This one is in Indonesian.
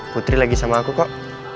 putri lagi sama aku kok